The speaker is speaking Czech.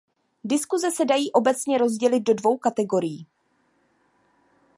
Diskuse se dají obecně rozdělit do dvou kategorií.